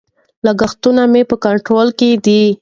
لګښتونه مې په کنټرول کې دي.